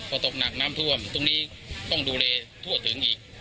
พอตกหนักน้ำท่วมตรงนี้ต้องดูแลทั่วถึงอีก